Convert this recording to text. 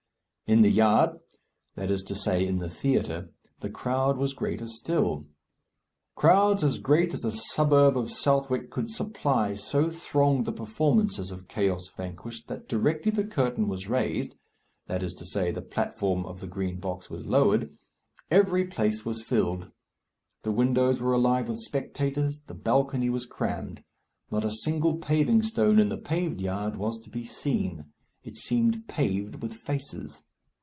In the yard that is to say, in the theatre the crowd was greater still. Crowds as great as the suburb of Southwark could supply so thronged the performances of "Chaos Vanquished" that directly the curtain was raised that is to say, the platform of the Green Box was lowered every place was filled. The windows were alive with spectators, the balcony was crammed. Not a single paving stone in the paved yard was to be seen. It seemed paved with faces.